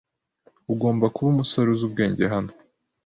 Ugomba kuba umusore uzi ubwenge hano.